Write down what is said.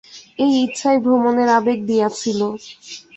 এই ইচ্ছাই ভ্রমণের আবেগ দিয়াছিল।